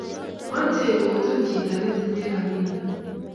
Mache kotun chito ne tinye rabinik